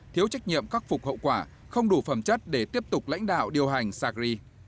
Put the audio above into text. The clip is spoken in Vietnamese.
thiếu trách nhiệm khắc phục hậu quả không đủ phẩm chất để tiếp tục lãnh đạo điều hành sacri